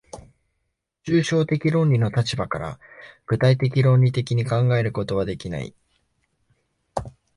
抽象的論理の立場から具体的論理的に考えることはできない。